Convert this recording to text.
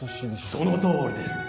そのとおりです